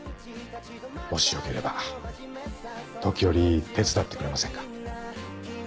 もしよければ時折手伝ってくれませんか？